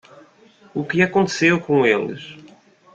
O que aconteceu com eles?